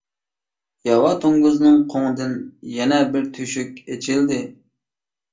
ياۋا توڭگۇزنىڭ قوڭىدىن يەنە بىر تۆشۈك ئېچىلدى.